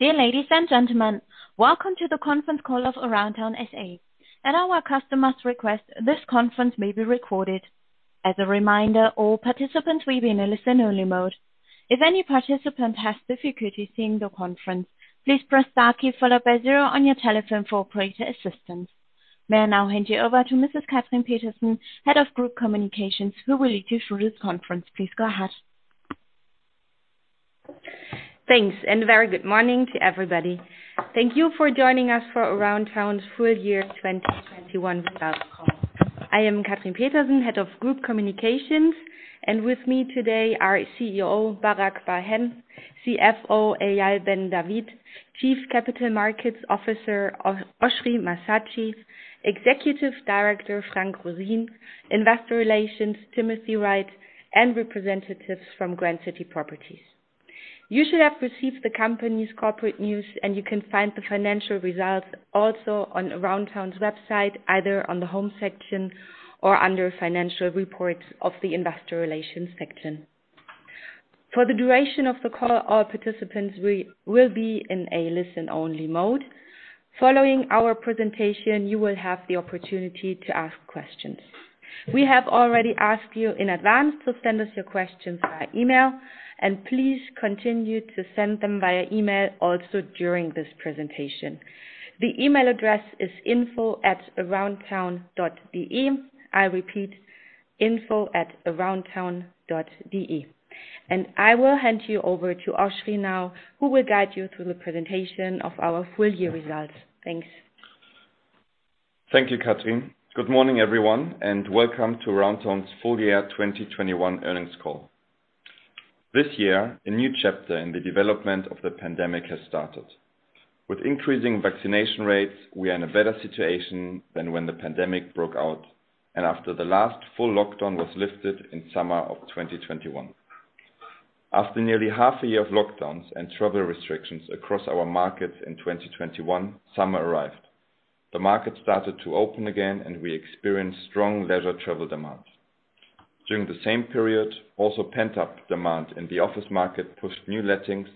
Dear ladies and gentlemen, welcome to the conference call of Aroundtown SA. At our customer's request, this conference may be recorded. As a reminder, all participants will be in a listen-only mode. If any participant has difficulty seeing the conference, please press star key followed by zero on your telephone for operator assistance. May I now hand you over to Mrs. Catherine Peterson, Head of Group Communications, who will lead you through this conference. Please go ahead. Thanks, and a very good morning to everybody. Thank you for joining us for Aroundtown's full year 2021 results call. I am Catherine Peterson, Head of Group Communications, and with me today are CEO Barak Bar-Hen, CFO Eyal Ben-David, Chief Capital Markets Officer Oschrie Massatschi, Executive Director Frank Roseen, Investor Relations Timothy Wright, and representatives from Grand City Properties. You should have received the company's corporate news, and you can find the financial results also on Aroundtown's website, either on the home section or under financial reports of the investor relations section. For the duration of the call, all participants will be in a listen-only mode. Following our presentation, you will have the opportunity to ask questions. We have already asked you in advance to send us your questions via email, and please continue to send them via email also during this presentation. The email address is info@aroundtown.de. I repeat, info@aroundtown.de. I will hand you over to Osri now, who will guide you through the presentation of our full year results. Thanks. Thank you, Catherine. Good morning, everyone, and welcome to Aroundtown's full year 2021 earnings call. This year, a new chapter in the development of the pandemic has started. With increasing vaccination rates, we are in a better situation than when the pandemic broke out and after the last full lockdown was lifted in summer of 2021. After nearly half a year of lockdowns and travel restrictions across our market in 2021, summer arrived. The market started to open again, and we experienced strong leisure travel demands. During the same period, also pent-up demand in the office market pushed new lettings,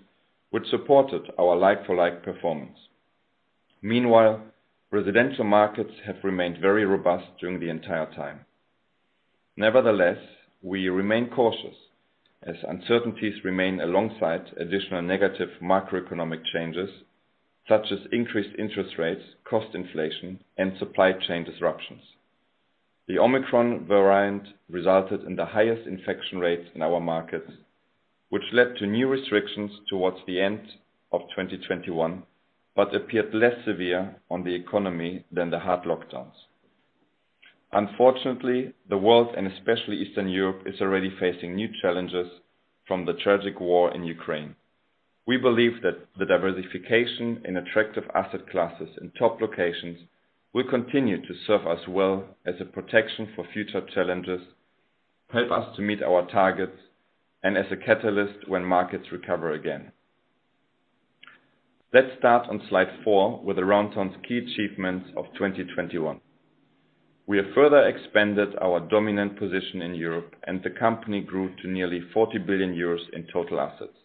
which supported our like for like performance. Meanwhile, residential markets have remained very robust during the entire time. Nevertheless, we remain cautious as uncertainties remain alongside additional negative macroeconomic changes, such as increased interest rates, cost inflation, and supply chain disruptions. The Omicron variant resulted in the highest infection rates in our markets, which led to new restrictions towards the end of 2021, but appeared less severe on the economy than the hard lockdowns. Unfortunately, the world, and especially Eastern Europe, is already facing new challenges from the tragic war in Ukraine. We believe that the diversification in attractive asset classes and top locations will continue to serve us well as a protection for future challenges, help us to meet our targets, and as a catalyst when markets recover again. Let's start on slide 4 with Aroundtown's key achievements of 2021. We have further expanded our dominant position in Europe, and the company grew to nearly 40 billion euros in total assets.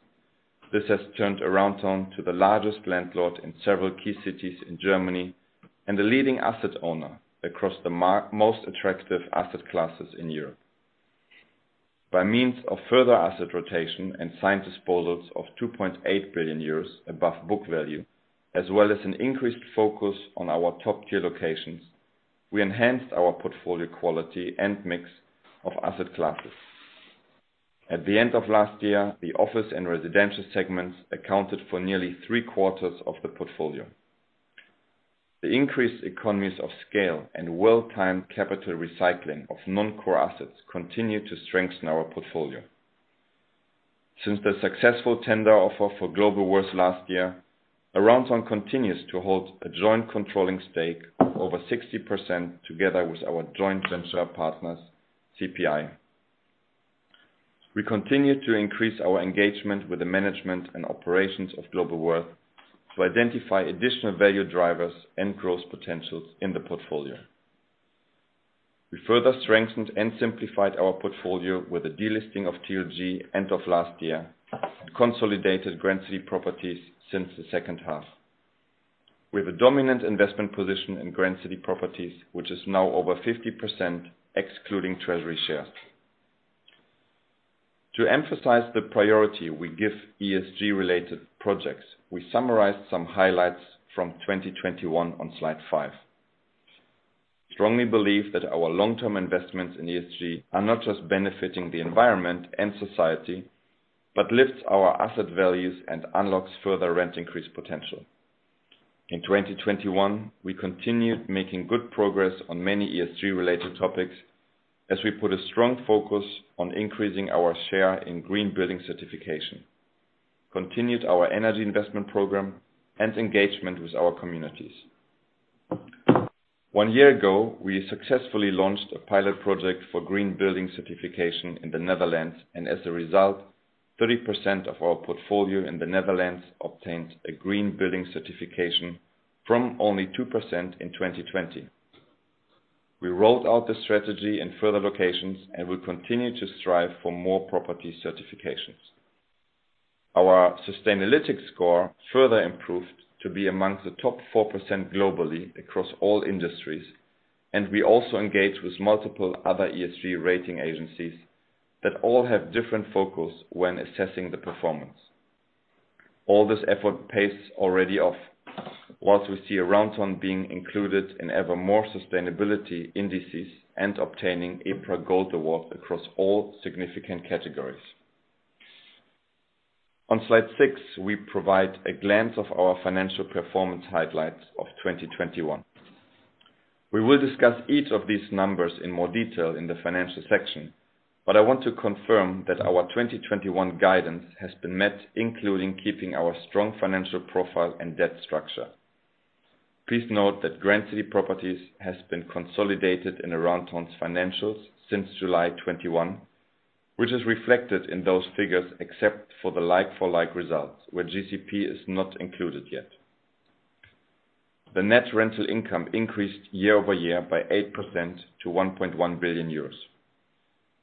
This has turned Aroundtown to the largest landlord in several key cities in Germany and the leading asset owner across the most attractive asset classes in Europe. By means of further asset rotation and signed disposals of 2.8 billion euros above book value, as well as an increased focus on our top tier locations, we enhanced our portfolio quality and mix of asset classes. At the end of last year, the office and residential segments accounted for nearly three-quarters of the portfolio. The increased economies of scale and well-timed capital recycling of non-core assets continued to strengthen our portfolio. Since the successful tender offer for Globalworth last year, Aroundtown continues to hold a joint controlling stake of over 60% together with our joint venture partners, CPI. We continue to increase our engagement with the management and operations of Globalworth to identify additional value drivers and growth potentials in the portfolio. We further strengthened and simplified our portfolio with the delisting of TLG end of last year, and consolidated Grand City Properties since the second half. We have a dominant investment position in Grand City Properties, which is now over 50% excluding treasury shares. To emphasize the priority we give ESG related projects, we summarized some highlights from 2021 on slide 5. We strongly believe that our long-term investments in ESG are not just benefiting the environment and society, but lifts our asset values and unlocks further rent increase potential. In 2021, we continued making good progress on many ESG related topics as we put a strong focus on increasing our share in green building certification, continued our energy investment program and engagement with our communities. One year ago, we successfully launched a pilot project for green building certification in the Netherlands, and as a result, 30% of our portfolio in the Netherlands obtained a green building certification from only 2% in 2020. We rolled out the strategy in further locations, and we continue to strive for more property certifications. Our Sustainalytics score further improved to be among the top 4% globally across all industries. We also engage with multiple other ESG rating agencies that all have different focus when assessing the performance. All this effort pays already off. While we see Aroundtown being included in ever more sustainability indices and obtaining EPRA Gold awards across all significant categories. On slide 6, we provide a glance of our financial performance highlights of 2021. We will discuss each of these numbers in more detail in the financial section, but I want to confirm that our 2021 guidance has been met, including keeping our strong financial profile and debt structure. Please note that Grand City Properties has been consolidated in Aroundtown's financials since July 2021, which is reflected in those figures, except for the like-for-like results, where GCP is not included yet. The net rental income increased year-over-year by 8% to 1.1 billion euros.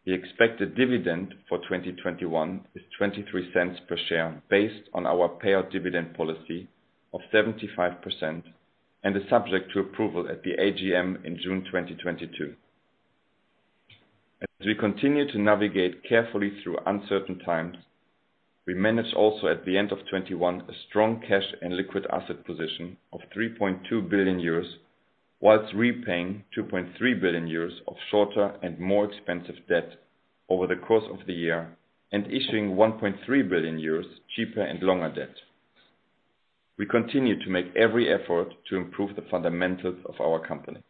The expected dividend for 2021 is 0.23 per share based on our payout dividend policy of 75% and is subject to approval at the AGM in June 2022. As we continue to navigate carefully through uncertain times, we manage also at the end of 2021, a strong cash and liquid asset position of 3.2 billion euros, while repaying 2.3 billion euros of shorter and more expensive debt over the course of the year, and issuing 1.3 billion euros cheaper and longer debt. We continue to make every effort to improve the fundamentals of our company.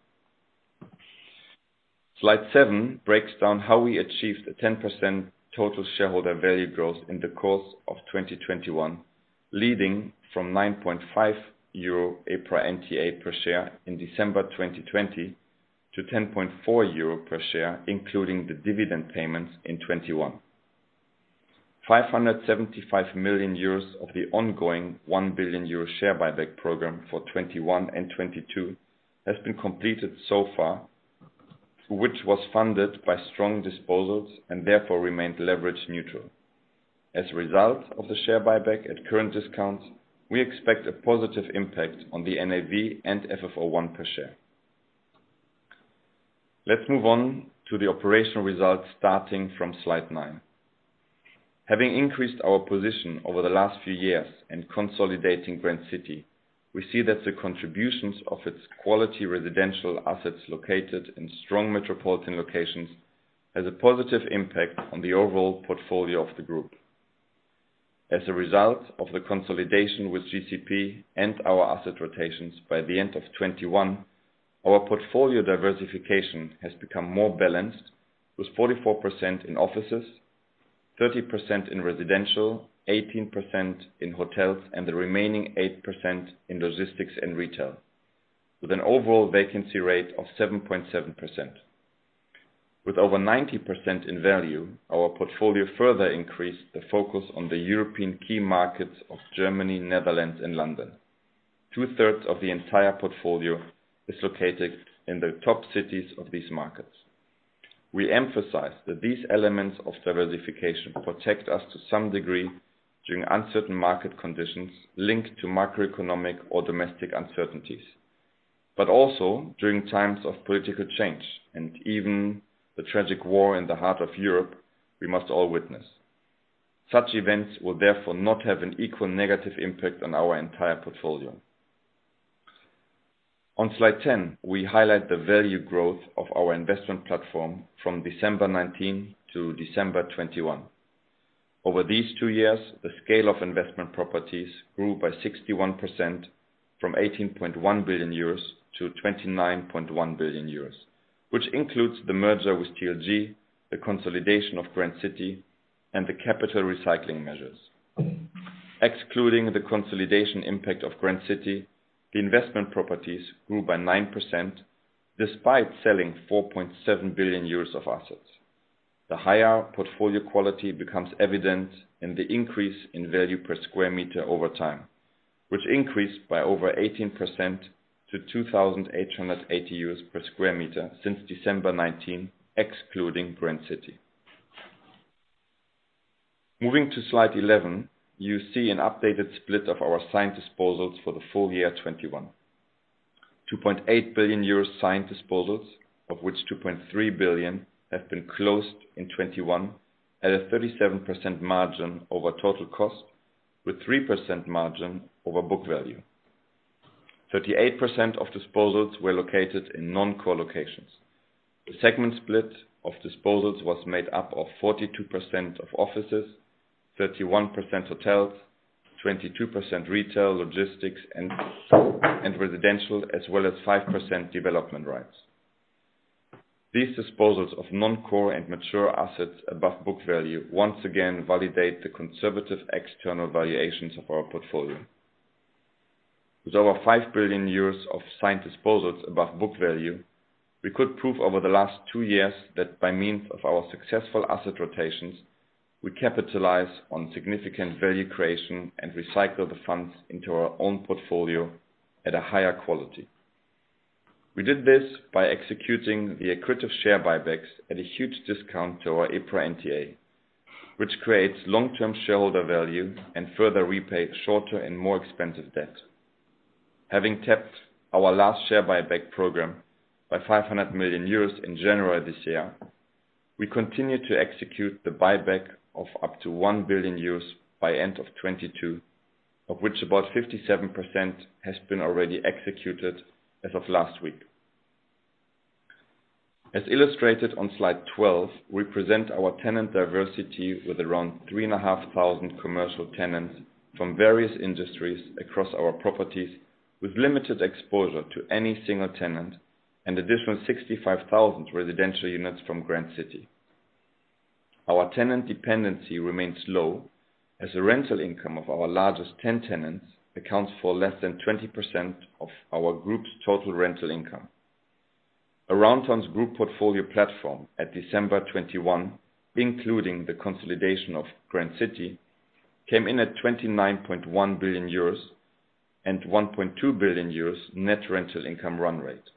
Slide 7 breaks down how we achieved a 10% total shareholder value growth in the course of 2021, leading from 9.5 euro EPRA NTA per share in December 2020, to 10.4 euro per share, including the dividend payments in 2021. 575 million euros of the ongoing 1 billion euro share buyback program for 2021 and 2022 has been completed so far, which was funded by strong disposals and therefore remained leverage neutral. As a result of the share buyback at current discounts, we expect a positive impact on the NAV and FFO I per share. Let's move on to the operational results starting from slide 9. Having increased our position over the last few years in consolidating Grand City, we see that the contributions of its quality residential assets located in strong metropolitan locations has a positive impact on the overall portfolio of the group. As a result of the consolidation with GCP and our asset rotations by the end of 2021, our portfolio diversification has become more balanced, with 44% in offices, 30% in residential, 18% in hotels, and the remaining 8% in logistics and retail, with an overall vacancy rate of 7.7%. With over 90% in value, our portfolio further increased the focus on the European key markets of Germany, Netherlands, and London. Two-thirds of the entire portfolio is located in the top cities of these markets. We emphasize that these elements of diversification protect us to some degree during uncertain market conditions linked to macroeconomic or domestic uncertainties. During times of political change and even the tragic war in the heart of Europe, we must all witness. Such events will therefore not have an equal negative impact on our entire portfolio. On slide 10, we highlight the value growth of our investment platform from December 2019 to December 2021. Over these two years, the scale of investment properties grew by 61% from 18.1 billion euros to 29.1 billion euros, which includes the merger with TLG, the consolidation of Grand City, and the capital recycling measures. Excluding the consolidation impact of Grand City, the investment properties grew by 9% despite selling 4.7 billion euros of assets. The higher portfolio quality becomes evident in the increase in value per sq m over time, which increased by over 18% to 2,880 euros per sq m since December 2019, excluding Grand City. Moving to slide 11, you see an updated split of our signed disposals for the full year 2021. 2.8 billion euros signed disposals, of which 2.3 billion have been closed in 2021 at a 37% margin over total cost, with 3% margin over book value. 38% of disposals were located in non-core locations. The segment split of disposals was made up of 42% offices, 31% hotels, 22% retail, logistics and residential, as well as 5% development rights. These disposals of non-core and mature assets above book value once again validate the conservative external valuations of our portfolio. With over 5 billion euros of signed disposals above book value, we could prove over the last two years that by means of our successful asset rotations. We capitalize on significant value creation and recycle the funds into our own portfolio at a higher quality. We did this by executing the accretive share buybacks at a huge discount to our EPRA NTA, which creates long-term shareholder value and further repay shorter and more expensive debt. Having tapped our last share buyback program by 500 million euros in January this year, we continue to execute the buyback of up to 1 billion euros by end of 2022, of which about 57% has been already executed as of last week. As illustrated on slide 12, we present our tenant diversity with around 3,500 commercial tenants from various industries across our properties, with limited exposure to any single tenant, and additional 65,000 residential units from Grand City. Our tenant dependency remains low, as the rental income of our largest 10 tenants accounts for less than 20% of our group's total rental income. Aroundtown's group portfolio platform at December 2021, including the consolidation of Grand City, came in at 29.1 billion euros and 1.2 billion euros net rental income run rate.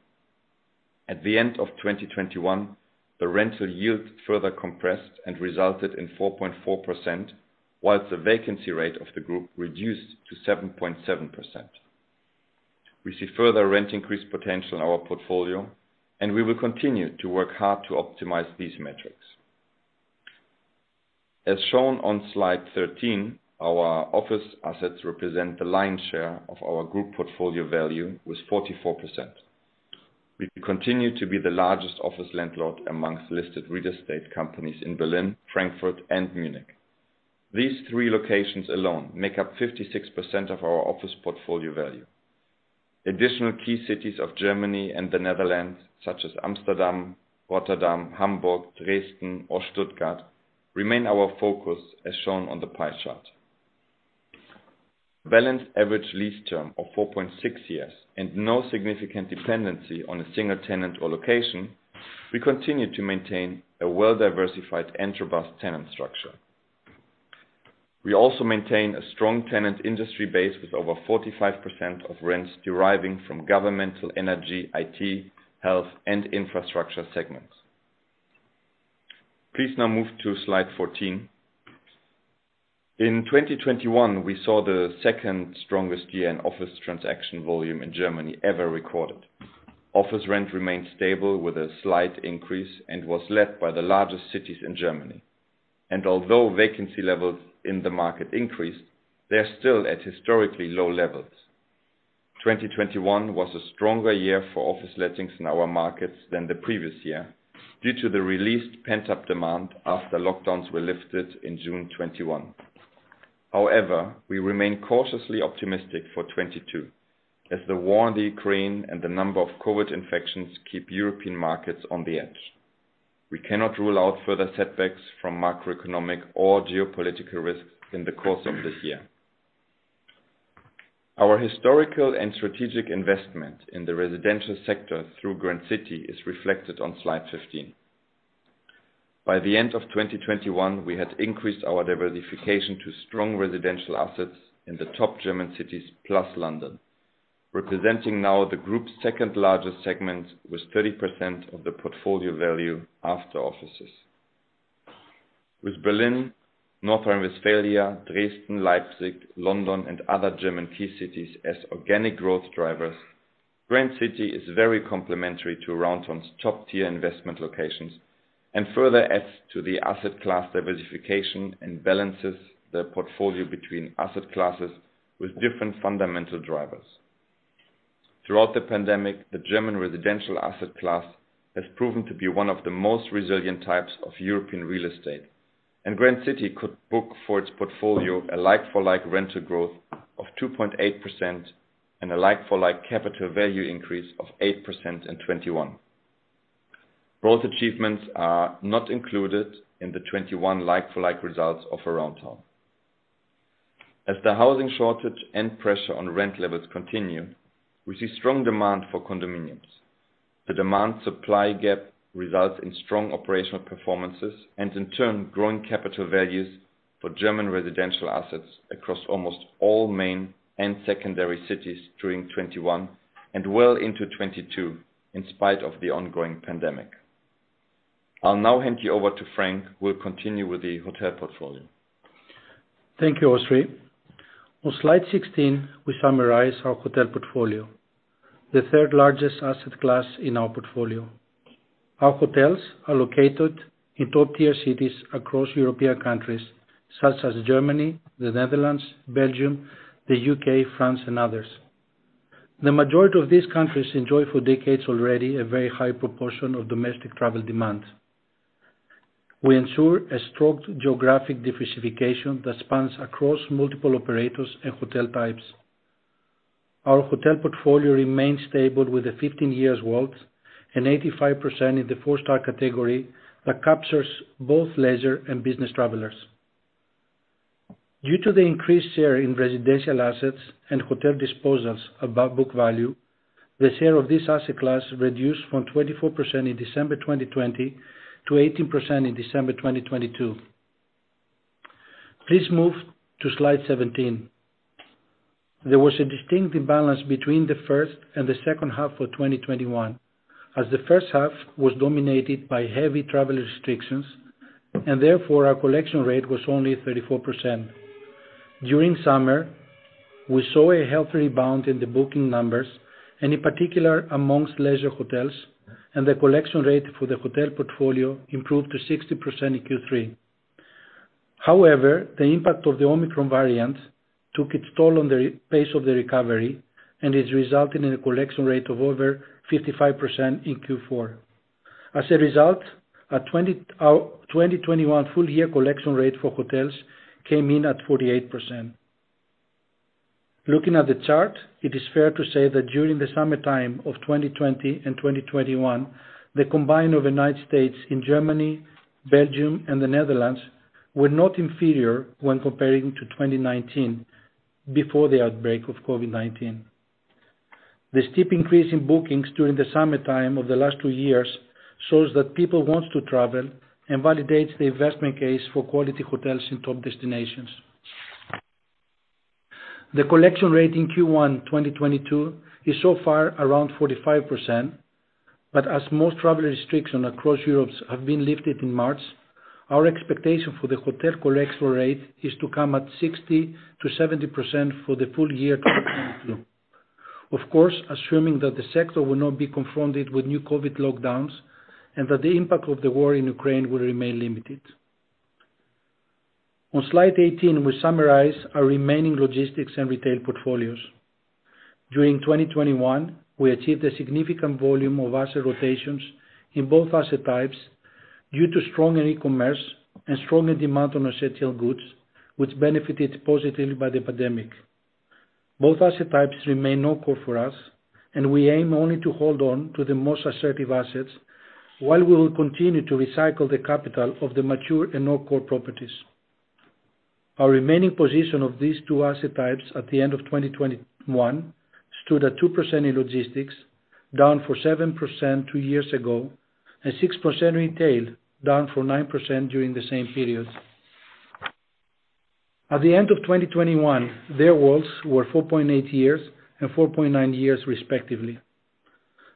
At the end of 2021, the rental yield further compressed and resulted in 4.4%, while the vacancy rate of the group reduced to 7.7%. We see further rent increase potential in our portfolio, and we will continue to work hard to optimize these metrics. As shown on slide 13, our office assets represent the lion's share of our group portfolio value with 44%. We continue to be the largest office landlord amongst listed real estate companies in Berlin, Frankfurt, and Munich. These three locations alone make up 56% of our office portfolio value. Additional key cities of Germany and the Netherlands, such as Amsterdam, Rotterdam, Hamburg, Dresden, or Stuttgart, remain our focus, as shown on the pie chart. Balanced average lease term of 4.6 years and no significant dependency on a single tenant or location, we continue to maintain a well-diversified and robust tenant structure. We also maintain a strong tenant industry base with over 45% of rents deriving from governmental energy, IT, health, and infrastructure segments. Please now move to slide 14. In 2021, we saw the second strongest year in office transaction volume in Germany ever recorded. Office rent remained stable with a slight increase and was led by the largest cities in Germany. Although vacancy levels in the market increased, they're still at historically low levels. 2021 was a stronger year for office lettings in our markets than the previous year due to the released pent-up demand after lockdowns were lifted in June 2021. However, we remain cautiously optimistic for 2022, as the war in the Ukraine and the number of COVID infections keep European markets on the edge. We cannot rule out further setbacks from macroeconomic or geopolitical risks in the course of this year. Our historical and strategic investment in the residential sector through Grand City is reflected on slide 15. By the end of 2021, we had increased our diversification to strong residential assets in the top German cities plus London, representing now the group's second-largest segment with 30% of the portfolio value after offices. With Berlin, North Rhine-Westphalia, Dresden, Leipzig, London, and other German key cities as organic growth drivers, Grand City is very complementary to Aroundtown's top-tier investment locations and further adds to the asset class diversification and balances the portfolio between asset classes with different fundamental drivers. Throughout the pandemic, the German residential asset class has proven to be one of the most resilient types of European real estate, and Grand City could book for its portfolio a like-for-like rental growth of 2.8% and a like-for-like capital value increase of 8% in 2021. Both achievements are not included in the 2021 like-for-like results of Aroundtown. As the housing shortage and pressure on rent levels continue, we see strong demand for condominiums. The demand supply gap results in strong operational performances and, in turn, growing capital values for German residential assets across almost all main and secondary cities during 2021 and well into 2022, in spite of the ongoing pandemic. I'll now hand you over to Frank, who will continue with the hotel portfolio. Thank you, Oschrie. On slide 16, we summarize our hotel portfolio, the third-largest asset class in our portfolio. Our hotels are located in top-tier cities across European countries such as Germany, the Netherlands, Belgium, the U.K., France, and others. The majority of these countries enjoy for decades already a very high proportion of domestic travel demand. We ensure a strong geographic diversification that spans across multiple operators and hotel types. Our hotel portfolio remains stable with a 15-year WALT and 85% in the four-star category that captures both leisure and business travelers. Due to the increased share in residential assets and hotel disposals above book value, the share of this asset class reduced from 24% in December 2020 to 18% in December 2022. Please move to slide 17. There was a distinct imbalance between the first and the second half of 2021, as the first half was dominated by heavy travel restrictions, and therefore, our collection rate was only 34%. During summer, we saw a healthy rebound in the booking numbers, and in particular amongst leisure hotels, and the collection rate for the hotel portfolio improved to 60% in Q3. However, the impact of the Omicron variant took its toll on the pace of the recovery and is resulting in a collection rate of over 55% in Q4. As a result, our 2021 full year collection rate for hotels came in at 48%. Looking at the chart, it is fair to say that during the summertime of 2020 and 2021, the combined overnight stays in Germany, Belgium, and the Netherlands were not inferior when comparing to 2019 before the outbreak of COVID-19. The steep increase in bookings during the summertime of the last two years shows that people want to travel and validates the investment case for quality hotels in top destinations. The collection rate in Q1 2022 is so far around 45%, but as most travel restriction across Europe have been lifted in March, our expectation for the hotel collection rate is to come at 60% to 70% for the full year 2022. Of course, assuming that the sector will not be confronted with new COVID lockdowns and that the impact of the war in Ukraine will remain limited. On slide 18, we summarize our remaining logistics and retail portfolios. During 2021, we achieved a significant volume of asset rotations in both asset types due to strong e-commerce and strong demand on essential goods, which benefited positively by the pandemic. Both asset types remain non-core for us, and we aim only to hold on to the most assertive assets, while we will continue to recycle the capital of the mature and non-core properties. Our remaining position of these two asset types at the end of 2021 stood at 2% in logistics, down from 7% two years ago, and 6% retail, down from 9% during the same period. At the end of 2021, their WALT were 4.8 years and 4.9 years, respectively.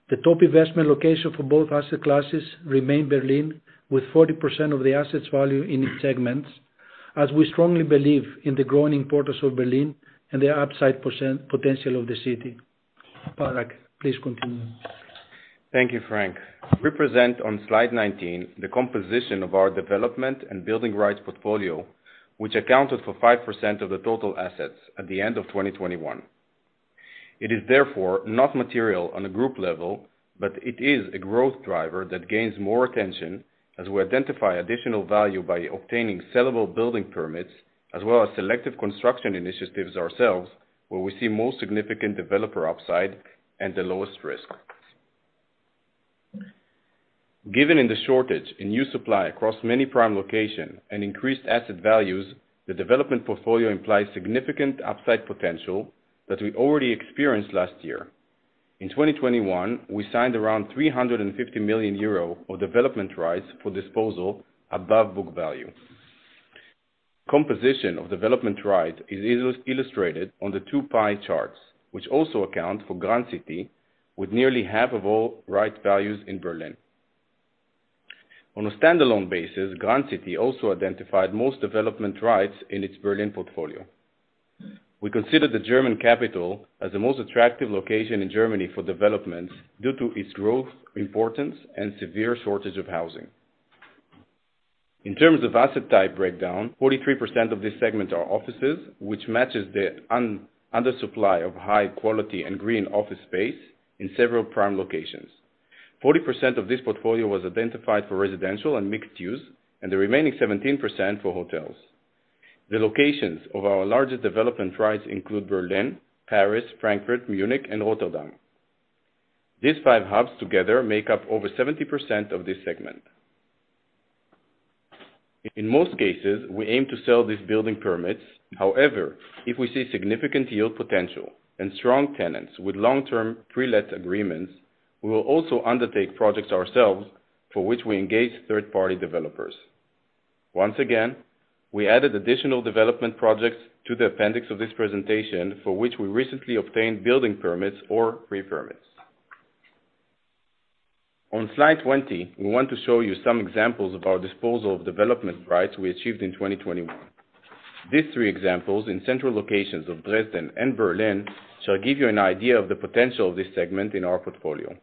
The top investment location for both asset classes remains Berlin, with 40% of the assets value in each segment, as we strongly believe in the growing importance of Berlin and the upside potential of the city. Barak, please continue. Thank you, Frank. We present on slide 19 the composition of our development and building rights portfolio, which accounted for 5% of the total assets at the end of 2021. It is therefore not material on a group level, but it is a growth driver that gains more attention as we identify additional value by obtaining sellable building permits as well as selective construction initiatives ourselves, where we see more significant developer upside and the lowest risk. Given the shortage in new supply across many prime locations and increased asset values, the development portfolio implies significant upside potential that we already experienced last year. In 2021, we signed around 350 million euro of development rights for disposal above book value. Composition of development rights is illustrated on the 2 pie charts, which also account for Grand City with nearly half of all right values in Berlin. On a standalone basis, Grand City also identified most development rights in its Berlin portfolio. We consider the German capital as the most attractive location in Germany for developments due to its growth, importance, and severe shortage of housing. In terms of asset type breakdown, 43% of this segment are offices, which matches the under supply of high quality and green office space in several prime locations. 40% of this portfolio was identified for residential and mixed use, and the remaining 17% for hotels. The locations of our largest development rights include Berlin, Paris, Frankfurt, Munich, and Rotterdam. These five hubs together make up over 70% of this segment. In most cases, we aim to sell these building permits. However, if we see significant yield potential and strong tenants with long-term pre-let agreements, we will also undertake projects ourselves for which we engage third-party developers. Once again, we added additional development projects to the appendix of this presentation for which we recently obtained building permits or pre-permits. On slide 20, we want to show you some examples of our disposal of development rights we achieved in 2021. These three examples in central locations of Dresden and Berlin shall give you an idea of the potential of this segment in our portfolio.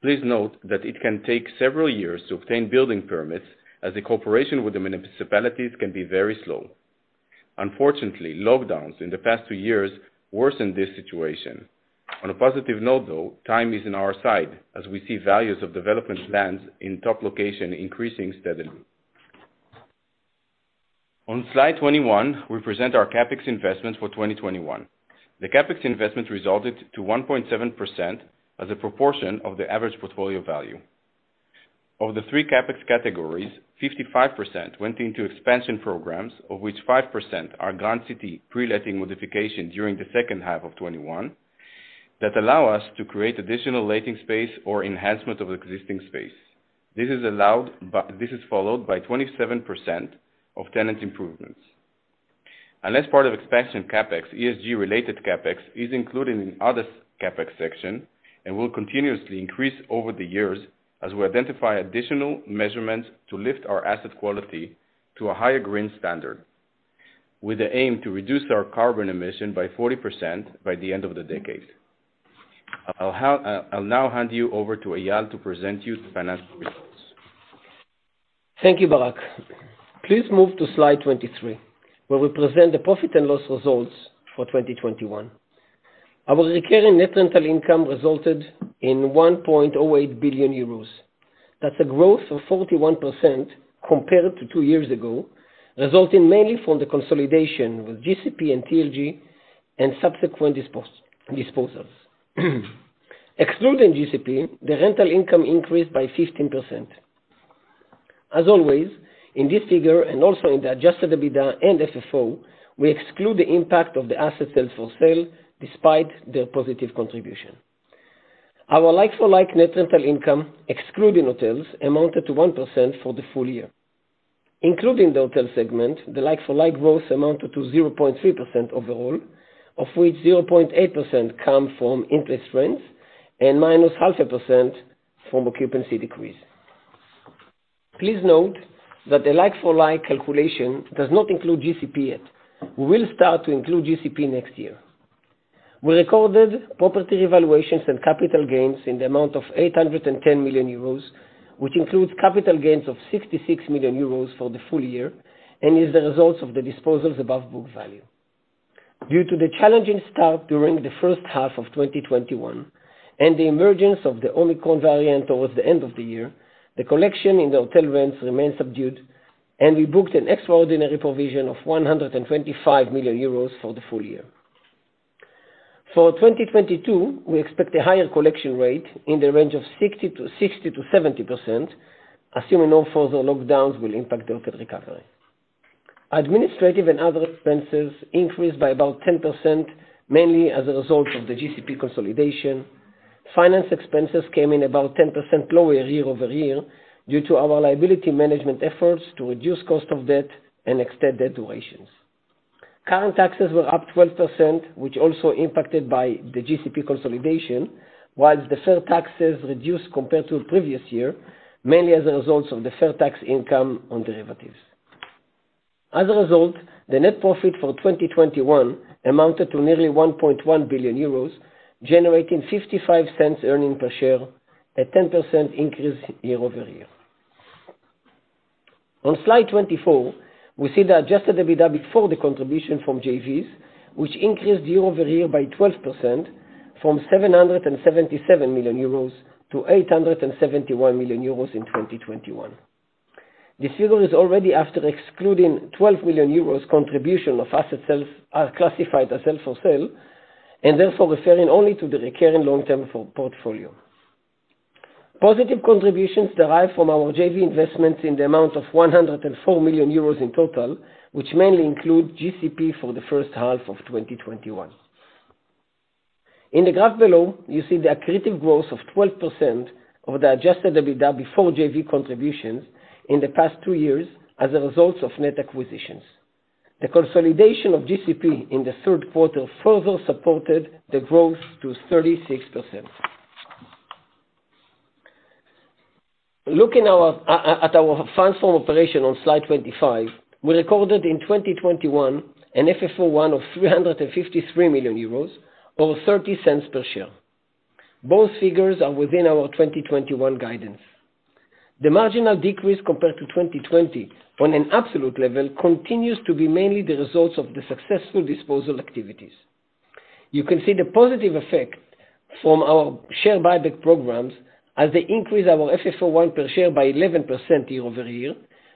Please note that it can take several years to obtain building permits, as the cooperation with the municipalities can be very slow. Unfortunately, lockdowns in the past 2 years worsened this situation. On a positive note, though, time is on our side, as we see values of development plans in top location increasing steadily. On slide 21, we present our CapEx investments for 2021. The CapEx investment resulted to 1.7% as a proportion of the average portfolio value. Of the three CapEx categories, 55% went into expansion programs, of which 5% are Grand City pre-letting modification during the second half of 2021, that allow us to create additional letting space or enhancement of existing space. This is followed by 27% of tenant improvements. Unless part of expansion CapEx, ESG related CapEx is included in other CapEx section and will continuously increase over the years as we identify additional measurements to lift our asset quality to a higher green standard, with the aim to reduce our carbon emission by 40% by the end of the decade. I'll now hand you over to Eyal to present you the financial results. Thank you, Barak. Please move to slide 23, where we present the profit and loss results for 2021. Our recurring net rental income resulted in 1.08 billion euros. That's a growth of 41% compared to two years ago, resulting mainly from the consolidation with GCP and TLG and subsequent disposals. Excluding GCP, the rental income increased by 15%. As always, in this figure and also in the adjusted EBITDA and FFO, we exclude the impact of the assets for sale despite their positive contribution. Our like-for-like net rental income, excluding hotels, amounted to 1% for the full year. Including the hotel segment, the like-for-like growth amounted to 0.3% overall, of which 0.8% come from index rents and -0.5% from occupancy decrease. Please note that the like for like calculation does not include GCP yet. We will start to include GCP next year. We recorded property revaluations and capital gains in the amount of 810 million euros, which includes capital gains of 66 million euros for the full year, and is the result of the disposals above book value. Due to the challenging start during the first half of 2021, and the emergence of the Omicron variant towards the end of the year, the collection in the hotel rents remains subdued, and we booked an extraordinary provision of 125 million euros for the full year. For 2022, we expect a higher collection rate in the range of 60% to 70%, assuming no further lockdowns will impact the recovery. Administrative and other expenses increased by about 10%, mainly as a result of the GCP consolidation. Finance expenses came in about 10% lower year-over-year due to our liability management efforts to reduce cost of debt and extend debt durations. Current taxes were up 12%, which was also impacted by the GCP consolidation, while the deferred taxes reduced compared to the previous year, mainly as a result of the deferred tax income on derivatives. As a result, the net profit for 2021 amounted to nearly 1.1 billion euros, generating 0.55 earnings per share, a 10% increase year-over-year. On slide 24, we see the adjusted EBITDA before the contribution from JVs, which increased year-over-year by 12% from 777 million euros to 871 million euros in 2021. This figure is already after excluding 12 million euros contribution of asset sales, classified as held for sale, and therefore referring only to the recurring long-term core portfolio. Positive contributions derived from our JV investments in the amount of 104 million euros in total, which mainly include GCP for the first half of 2021. In the graph below, you see the accretive growth of 12% of the adjusted EBITDA before JV contributions in the past two years as a result of net acquisitions. The consolidation of GCP in the third quarter further supported the growth to 36%. Looking at our funds from operations on slide 25, we recorded in 2021 a FFO I of 353 million euros or 0.30 per share. Both figures are within our 2021 guidance. The marginal decrease compared to 2020 on an absolute level continues to be mainly the results of the successful disposal activities. You can see the positive effect from our share buyback programs as they increase our FFO I per share by 11% year-over-year,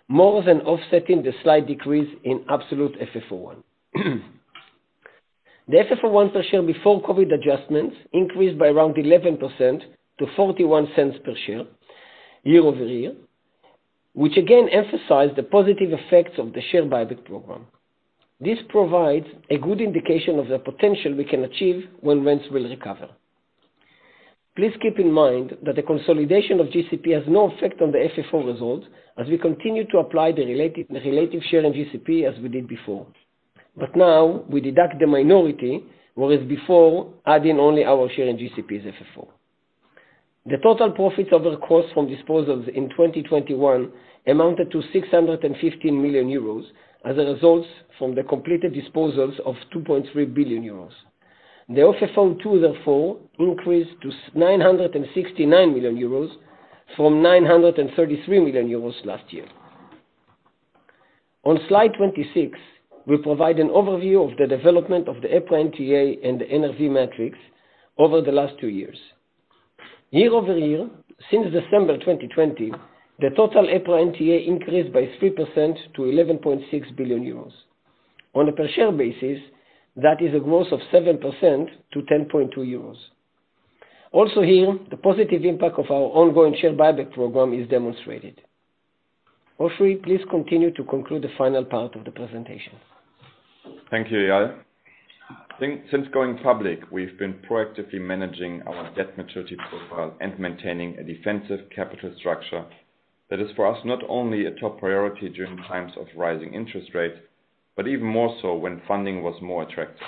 more than offsetting the slight decrease in absolute FFO I. The FFO I per share before COVID adjustments increased by around 11% to 0.41 per share year-over-year, which again emphasized the positive effects of the share buyback program. This provides a good indication of the potential we can achieve when rents will recover. Please keep in mind that the consolidation of GCP has no effect on the FFO results as we continue to apply the related share in GCP as we did before. Now we deduct the minority, whereas before, adding only our share in GCP's FFO. The total profits over the course from disposals in 2021 amounted to 615 million euros as a result from the completed disposals of 2.3 billion euros. The FFO II, therefore, increased to 969 million euros from 933 million euros last year. On slide 26, we provide an overview of the development of the EPRA NTA and the NRV metrics over the last two years. Year-over-year, since December 2020, the total EPRA NTA increased by 3% to 11.6 billion euros. On a per share basis, that is a growth of 7% to 10.2 euros. Also here, the positive impact of our ongoing share buyback program is demonstrated. Oschrie, please continue to conclude the final part of the presentation. Thank you, Eyal. Since going public, we've been proactively managing our debt maturity profile and maintaining a defensive capital structure that is for us, not only a top priority during times of rising interest rates, but even more so when funding was more attractive.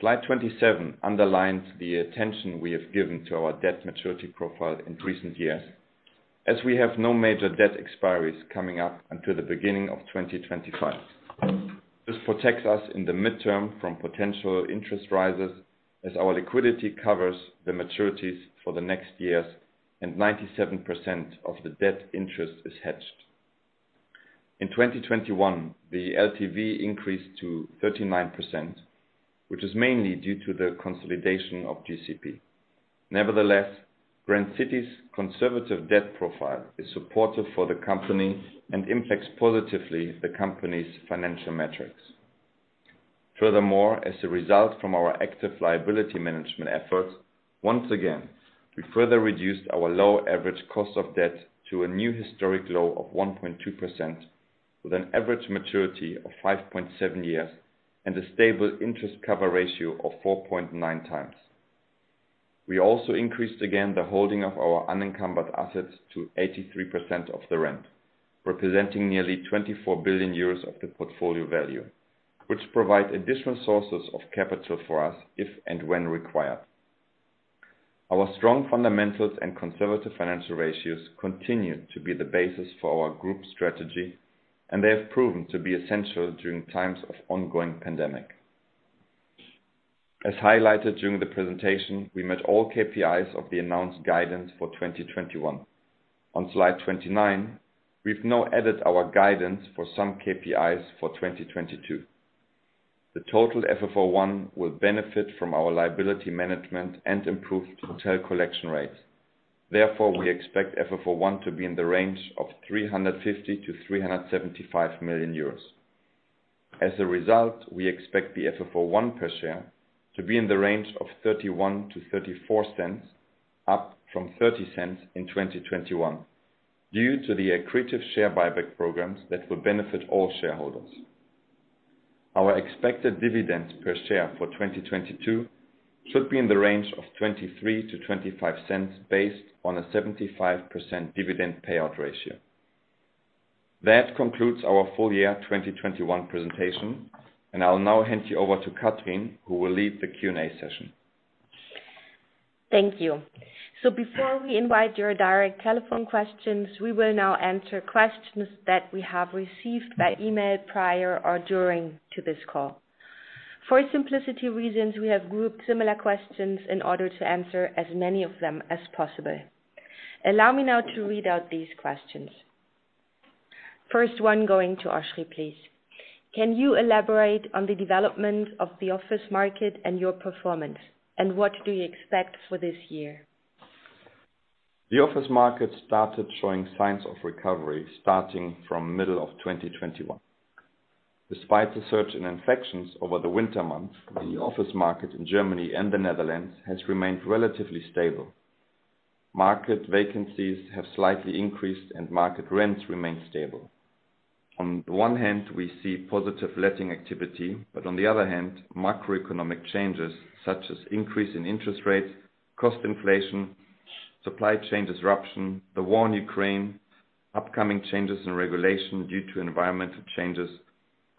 Slide 27 underlines the attention we have given to our debt maturity profile in recent years, as we have no major debt expiries coming up until the beginning of 2025. This protects us in the midterm from potential interest rises as our liquidity covers the maturities for the next years, and 97% of the debt interest is hedged. In 2021, the LTV increased to 39%, which is mainly due to the consolidation of GCP. Nevertheless, Grand City Properties' conservative debt profile is supportive for the company and impacts positively the company's financial metrics. Furthermore, as a result from our active liability management efforts, once again, we further reduced our low average cost of debt to a new historic low of 1.2% with an average maturity of 5.7 years and a stable interest cover ratio of 4.9 times. We also increased again the holding of our unencumbered assets to 83% of the rent, representing nearly 24 billion euros of the portfolio value, which provide additional sources of capital for us, if and when required. Our strong fundamentals and conservative financial ratios continue to be the basis for our group strategy, and they have proven to be essential during times of ongoing pandemic. As highlighted during the presentation, we met all KPIs of the announced guidance for 2021. On slide 29, we've now added our guidance for some KPIs for 2022. The total FFO I will benefit from our liability management and improved hotel collection rates. Therefore, we expect FFO I to be in the range of 350 million to 375 million euros. As a result, we expect the FFO I per share to be in the range of 0.31 to 0.34, up from 0.30 in 2021 due to the accretive share buyback programs that will benefit all shareholders. Our expected dividends per share for 2022 should be in the range of 0.23-0.25 based on a 75% dividend payout ratio. That concludes our full year 2021 presentation, and I'll now hand you over to Catherine, who will lead the Q&A session. Thank you. Before we invite your direct telephone questions, we will now answer questions that we have received by email prior to or during this call. For simplicity reasons, we have grouped similar questions in order to answer as many of them as possible. Allow me now to read out these questions. First one going to Oschrie, please. Can you elaborate on the development of the office market and your performance, and what do you expect for this year? The office market started showing signs of recovery starting from middle of 2021. Despite the surge in infections over the winter months, the office market in Germany and the Netherlands has remained relatively stable. Market vacancies have slightly increased, and market rents remain stable. On one hand, we see positive letting activity, but on the other hand, macroeconomic changes such as increase in interest rates, cost inflation, supply chain disruption, the war in Ukraine, upcoming changes in regulation due to environmental changes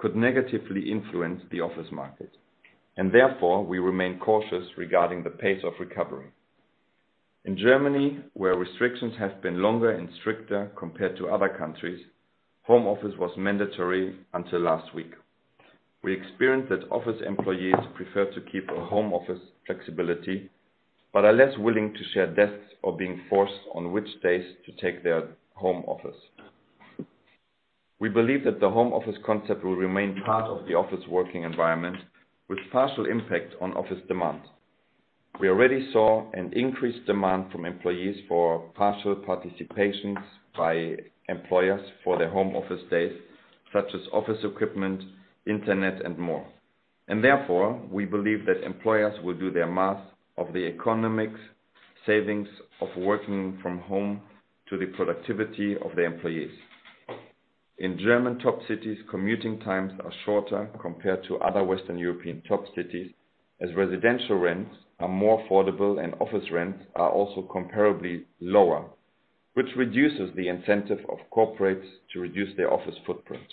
could negatively influence the office market, and therefore, we remain cautious regarding the pace of recovery. In Germany, where restrictions have been longer and stricter compared to other countries, home office was mandatory until last week. We experienced that office employees prefer to keep a home office flexibility, but are less willing to share desks or being forced on which days to take their home office. We believe that the home office concept will remain part of the office working environment with partial impact on office demand. We already saw an increased demand from employees for partial participations by employers for their home office days, such as office equipment, internet, and more. Therefore, we believe that employers will do their math of the economics savings of working from home to the productivity of their employees. In German top cities, commuting times are shorter compared to other Western European top cities, as residential rents are more affordable and office rents are also comparably lower, which reduces the incentive of corporates to reduce their office footprint.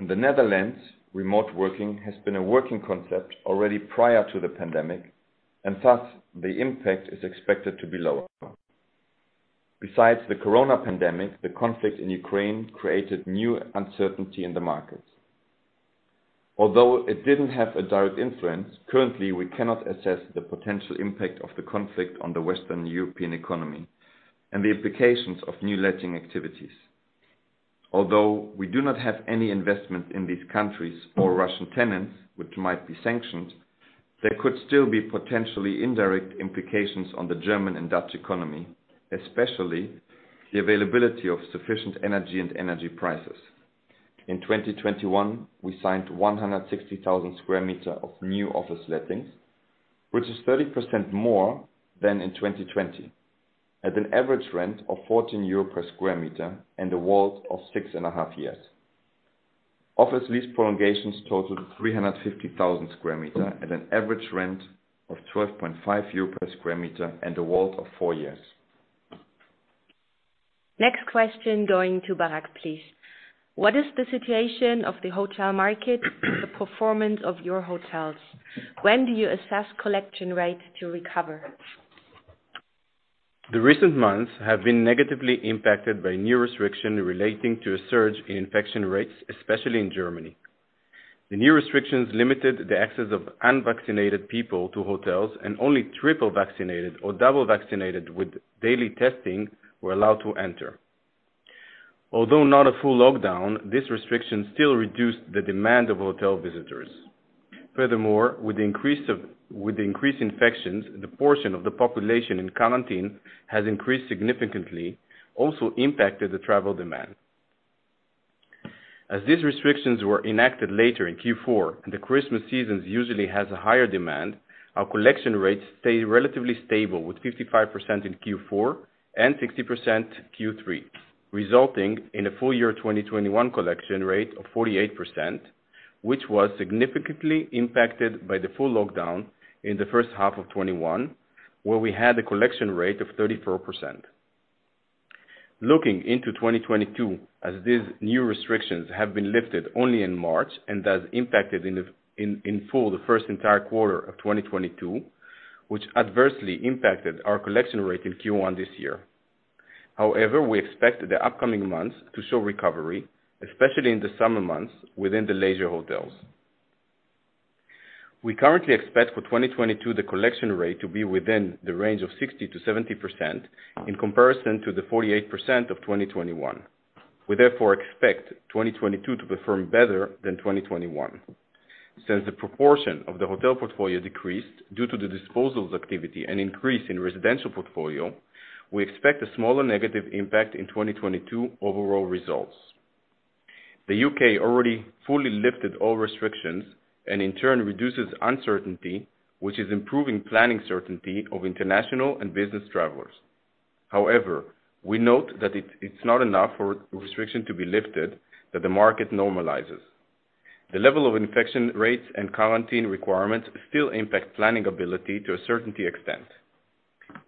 In the Netherlands, remote working has been a working concept already prior to the pandemic, and thus the impact is expected to be lower. Besides the coronavirus pandemic, the conflict in Ukraine created new uncertainty in the markets. Although it didn't have a direct influence, currently, we cannot assess the potential impact of the conflict on the Western European economy and the implications of new letting activities. Although we do not have any investments in these countries or Russian tenants which might be sanctioned. There could still be potentially indirect implications on the German and Dutch economy, especially the availability of sufficient energy and energy prices. In 2021, we signed 160,000 sq m of new office lettings, which is 30% more than in 2020, at an average rent of 14 euro per sq m and a WALT of 6.5 years. Office lease prolongations totaled 350,000 sq m at an average rent of 12.5 euro per sq m and a WALT of 4 years. Next question going to Barak, please. What is the situation of the hotel market and the performance of your hotels? When do you assess collection rate to recover? The recent months have been negatively impacted by new restriction relating to a surge in infection rates, especially in Germany. The new restrictions limited the access of unvaccinated people to hotels, and only triple vaccinated or double vaccinated with daily testing were allowed to enter. Although not a full lockdown, this restriction still reduced the demand of hotel visitors. Furthermore, with the increased infections, the portion of the population in quarantine has increased significantly, also impacted the travel demand. As these restrictions were enacted later in Q4, and the Christmas seasons usually has a higher demand, our collection rates stayed relatively stable with 55% in Q4 and 60% in Q3, resulting in a full year 2021 collection rate of 48%, which was significantly impacted by the full lockdown in the first half of 2021, where we had a collection rate of 34%. Looking into 2022, as these new restrictions have been lifted only in March and has impacted in full the first entire quarter of 2022, which adversely impacted our collection rate in Q1 this year. However, we expect the upcoming months to show recovery, especially in the summer months within the leisure hotels. We currently expect for 2022 the collection rate to be within the range of 60% to 70% in comparison to the 48% of 2021. We therefore expect 2022 to perform better than 2021. Since the proportion of the hotel portfolio decreased due to the disposals activity and increase in residential portfolio, we expect a smaller negative impact in 2022 overall results. The U.K. already fully lifted all restrictions, and in turn reduces uncertainty, which is improving planning certainty of international and business travelers. However, we note that it's not enough for restrictions to be lifted that the market normalizes. The level of infection rates and quarantine requirements still impact planning ability to a certain extent.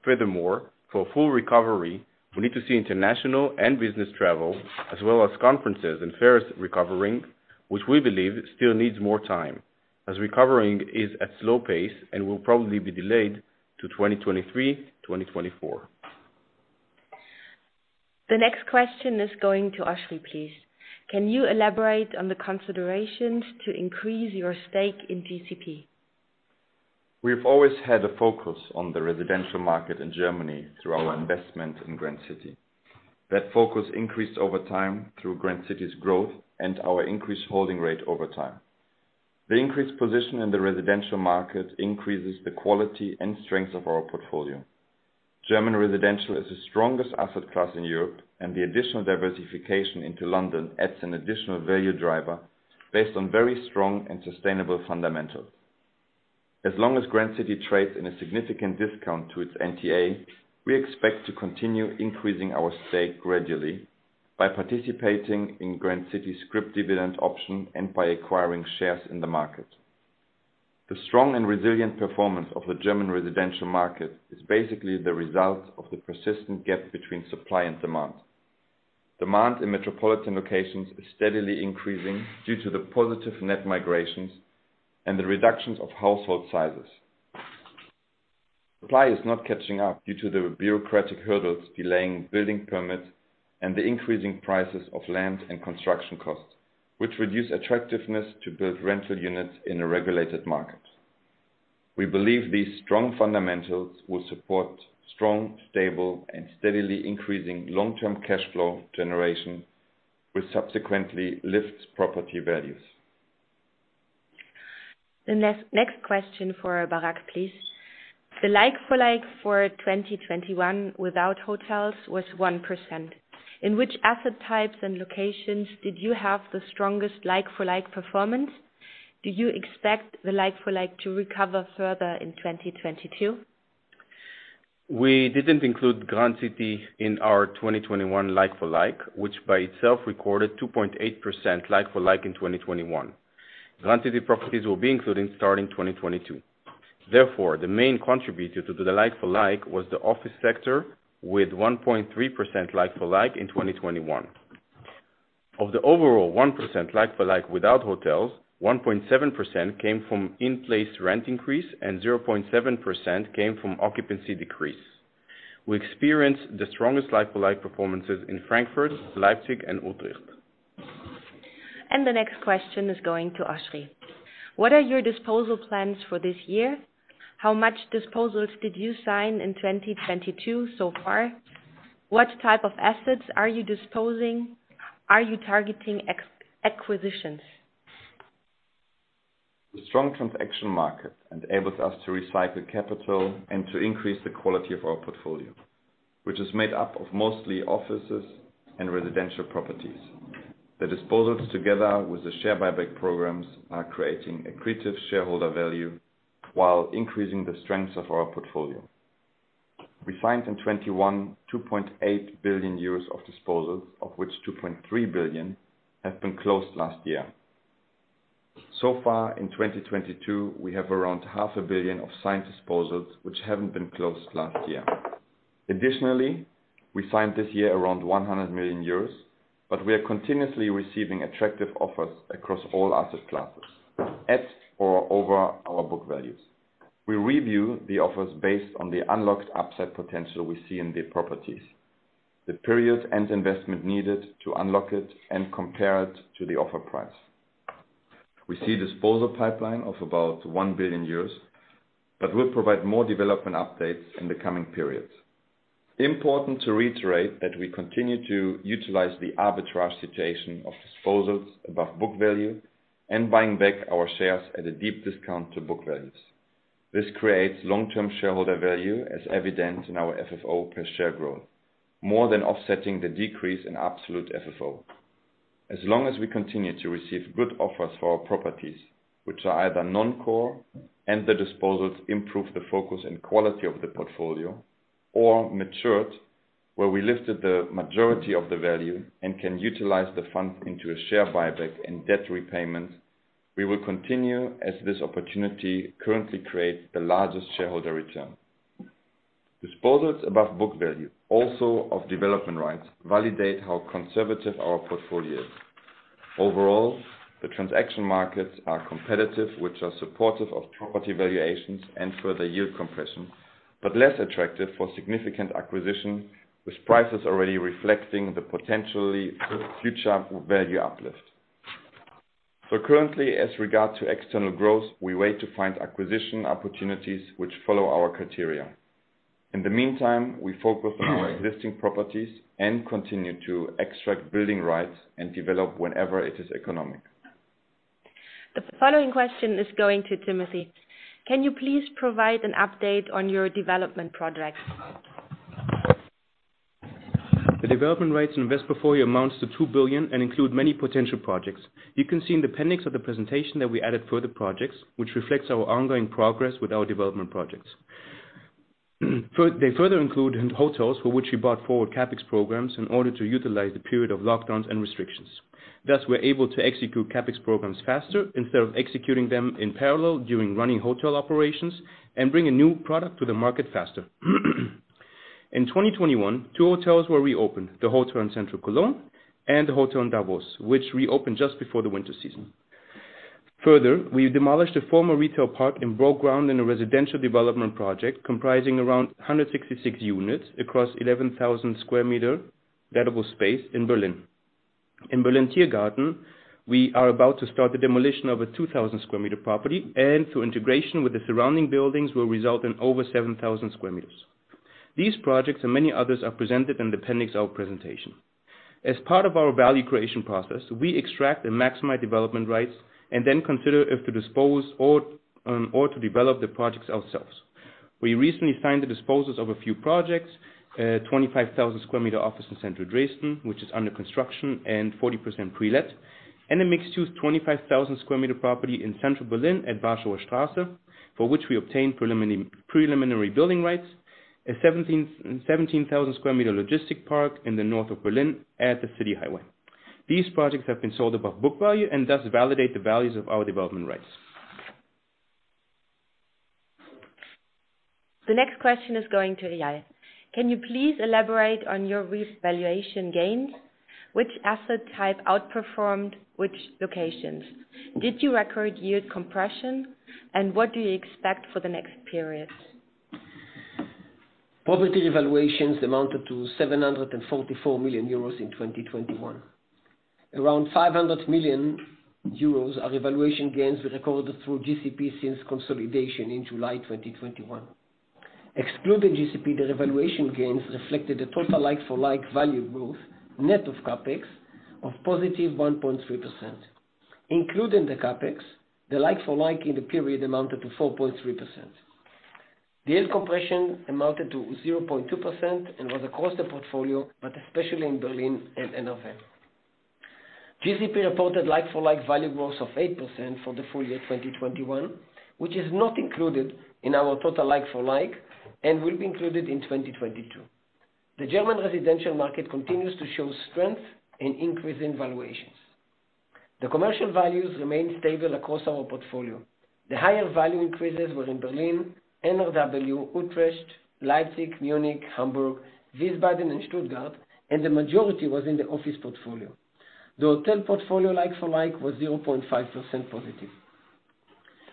Furthermore, for a full recovery, we need to see international and business travel, as well as conferences and fairs recovering, which we believe still needs more time, as recovering is at slow pace and will probably be delayed to 2023, 2024. The next question is going to Oschrie, please. Can you elaborate on the considerations to increase your stake in GCP? We've always had a focus on the residential market in Germany through our investment in Grand City. That focus increased over time through Grand City's growth and our increased holding rate over time. The increased position in the residential market increases the quality and strength of our portfolio. German residential is the strongest asset class in Europe, and the additional diversification into London adds an additional value driver based on very strong and sustainable fundamentals. As long as Grand City trades at a significant discount to its NTA, we expect to continue increasing our stake gradually by participating in Grand City scrip dividend option and by acquiring shares in the market. The strong and resilient performance of the German residential market is basically the result of the persistent gap between supply and demand. Demand in metropolitan locations is steadily increasing due to the positive net migrations and the reductions of household sizes. Supply is not catching up due to the bureaucratic hurdles delaying building permits and the increasing prices of land and construction costs, which reduce attractiveness to build rental units in a regulated market. We believe these strong fundamentals will support strong, stable, and steadily increasing long-term cash flow generation, which subsequently lifts property values. The next question for Barak, please. The like-for-like for 2021 without hotels was 1%. In which asset types and locations did you have the strongest like-for-like performance? Do you expect the like-for-like to recover further in 2022? We didn't include Grand City Properties in our 2021 like for like, which by itself recorded 2.8% like for like in 2021. Grand City Properties will be included starting 2022. Therefore, the main contributor to the like for like was the office sector with 1.3% like for like in 2021. Of the overall 1% like for like without hotels, 1.7% came from in-place rent increase, and 0.7% came from occupancy decrease. We experienced the strongest like for like performances in Frankfurt, Leipzig, and Utrecht. The next question is going to Oschrie. What are your disposal plans for this year? How much disposals did you sign in 2022 so far? What type of assets are you disposing? Are you targeting acquisitions? The strong transaction market enables us to recycle capital and to increase the quality of our portfolio, which is made up of mostly offices and residential properties. The disposals, together with the share buyback programs, are creating accretive shareholder value while increasing the strengths of our portfolio. We signed in 2021, 2.8 billion euros of disposals, of which 2.3 billion have been closed last year. So far in 2022, we have around EUR half a billion of signed disposals which haven't been closed last year. Additionally, we signed this year around 100 million euros, but we are continuously receiving attractive offers across all asset classes at or over our book values. We review the offers based on the unlocked upside potential we see in the properties, the period and investment needed to unlock it and compare it to the offer price. We see disposal pipeline of about 1 billion, but we'll provide more development updates in the coming periods. Important to reiterate that we continue to utilize the arbitrage situation of disposals above book value and buying back our shares at a deep discount to book values. This creates long-term shareholder value as evident in our FFO per share growth, more than offsetting the decrease in absolute FFO. As long as we continue to receive good offers for our properties, which are either non-core, and the disposals improve the focus and quality of the portfolio, or matured, where we lifted the majority of the value and can utilize the funds into a share buyback and debt repayment, we will continue, as this opportunity currently creates the largest shareholder return. Disposals above book value, also of development rights, validate how conservative our portfolio is. Overall, the transaction markets are competitive, which are supportive of property valuations and further yield compression, but less attractive for significant acquisition, with prices already reflecting the potentially future value uplift. Currently, as regards to external growth, we wait to find acquisition opportunities which follow our criteria. In the meantime, we focus on our existing properties and continue to extract building rights and develop whenever it is economic. The following question is going to Timothy. Can you please provide an update on your development projects? The development rights investment portfolio amounts to 2 billion and includes many potential projects. You can see in the appendix of the presentation that we added further projects, which reflects our ongoing progress with our development projects. They further include hotels for which we brought forward CapEx programs in order to utilize the period of lockdowns and restrictions. Thus, we're able to execute CapEx programs faster instead of executing them in parallel during running hotel operations and bring a new product to the market faster. In 2021, 2 hotels were reopened, the hotel in central Cologne and the hotel in Davos, which reopened just before the winter season. Further, we demolished a former retail park and broke ground in a residential development project comprising around 166 units across 11,000 sq m rentable space in Berlin. In Berlin Tiergarten, we are about to start the demolition of a 2000 sq m property, and through integration with the surrounding buildings will result in over 7000 sq m. These projects and many others are presented in the appendix of presentation. As part of our value creation process, we extract and maximize development rights and then consider if to dispose or to develop the projects ourselves. We recently signed the disposals of a few projects, 25,000 sq m office in central Dresden, which is under construction and 40% pre-let, and a mixed-use 25,000 sq m property in central Berlin at Warschauer Strasse, for which we obtained preliminary building rights, a 17,000 sq m logistic park in the north of Berlin at the city highway. These projects have been sold above book value and thus validate the values of our development rights. The next question is going to Eyal. Can you please elaborate on your revaluation gains? Which asset type outperformed which locations? Did you record yield compression, and what do you expect for the next period? Property revaluations amounted to 744 million euros in 2021. Around 500 million euros are revaluation gains we recorded through GCP since consolidation in July 2021. Excluding GCP, the revaluation gains reflected a total like-for-like value growth, net of CapEx, of positive 1.3%. Including the CapEx, the like for like in the period amounted to 4.3%. The yield compression amounted to 0.2% and was across the portfolio, but especially in Berlin and NRW. GCP reported like-for-like value growth of 8% for the full year 2021, which is not included in our total like for like and will be included in 2022. The German residential market continues to show strength and increase in valuations. The commercial values remain stable across our portfolio. The higher value increases were in Berlin, NRW, Utrecht, Leipzig, Munich, Hamburg, Wiesbaden, and Stuttgart, and the majority was in the office portfolio. The hotel portfolio like for like was 0.5% positive.